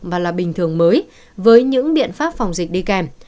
và là bình thường mới với những biện pháp phòng dịch đi kèm